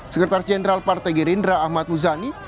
sekretaris jenderal partai gerindra ahmad muzani